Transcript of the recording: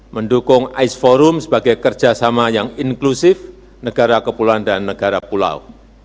mendukung ais forum sebagai kerjasama yang inklusif negara kepulauan dan negara pulau